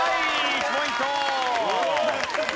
１ポイント。